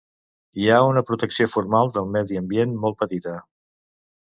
Hi ha una protecció formal del medi ambient molt petita.